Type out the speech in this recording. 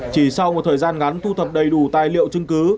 chỉ sau một thời gian ngắn thu thập đầy đủ tài liệu chứng cứ